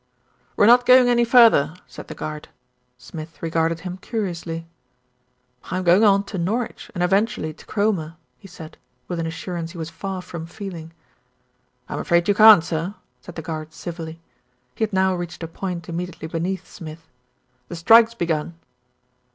"We're not going any further," said the guard. Smith regarded him curiously. "I'm going on to Norwich and eventually to Cromer," he said, with an assurance he was far from feeling. "I'm afraid you can't, sir," said the guard civilly. He had now reached a point immediately beneath Smith. "The strike's begun."